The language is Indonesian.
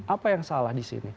apa yang salah disini